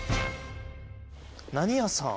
何屋さん？